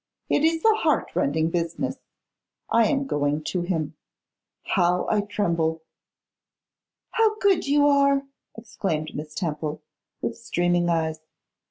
It is a heart rending business. I am going to him. How I tremble!' 'How good you are!' exclaimed Miss Temple, with streaming eyes.